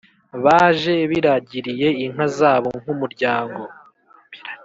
baje biragiriye inka zabo nk’umuryango